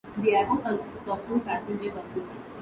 The airport consists of two passenger terminals.